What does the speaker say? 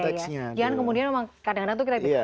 jangan kemudian kadang kadang